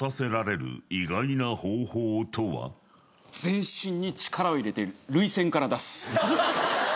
全身に力を入れて涙腺から出す。